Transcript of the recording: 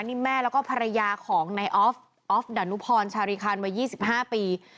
นี่แม่แล้วก็ภรรยาของนายออฟออฟดานุพรชาริคันวัย๒๕ปี